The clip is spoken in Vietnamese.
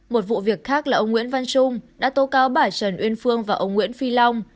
một vụ việc khác là ông nguyễn văn trung đã tố cáo bà trần uyên phương và ông nguyễn phi long